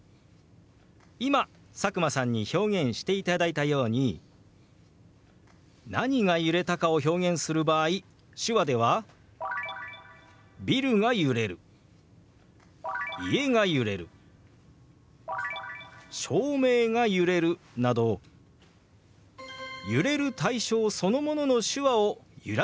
今佐久間さんに表現していただいたように何が揺れたかを表現する場合手話では「ビルが揺れる」「家が揺れる」「照明が揺れる」など揺れる対象そのものの手話を揺らして表すんです。